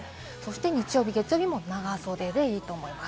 日曜日、月曜日も長袖でいいと思います。